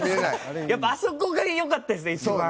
やっぱりあそこが良かったですね一番。